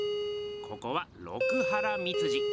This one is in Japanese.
ここは六波羅蜜寺！